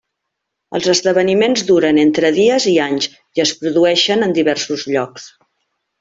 Els esdeveniments duren entre dies i anys, i es produeixen en diversos llocs.